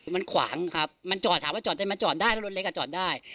มันขวางครับถ้าจะมาจอดได้ไม่ใช่มาจอดได้